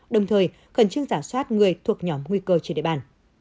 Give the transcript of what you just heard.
đồng thời khẩn trương giả soát người thuộc nhóm nguy cơ trên địa bàn